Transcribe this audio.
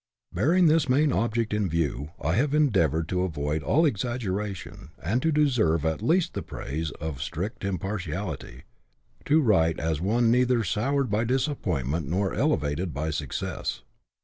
Bearing this main object in view, I have endeavoured to avoid all exaggeration, and to deserve at least the praise of strict im partiality — to write as one neither soured by disappointment nor elevated by success.